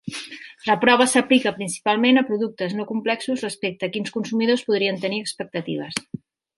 La prova s'aplica principalment a productes no complexos respecte a quins consumidors podrien tenir expectatives.